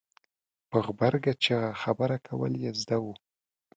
په غبرګه چېغه خبره کول یې زده وو.